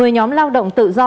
một mươi nhóm lao động tự do